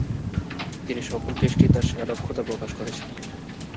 তিনি সকল টেস্টেই তাঁর সেরা দক্ষতা প্রকাশ করেছেন।